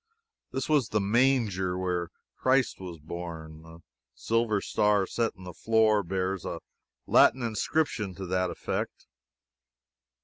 This was the "manger" where Christ was born. A silver star set in the floor bears a Latin inscription to that effect.